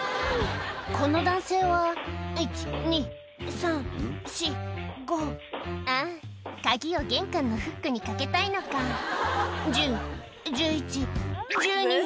この男性は「１・２・３・４・５」あぁ鍵を玄関のフックに掛けたいのか「１０・１１・１２！」